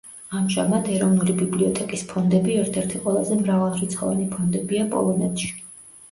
ამჟამად ეროვნული ბიბლიოთეკის ფონდები ერთ-ერთი ყველაზე მრავალრიცხოვანი ფონდებია პოლონეთში.